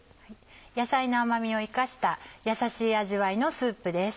野菜の甘みを生かした優しい味わいのスープです。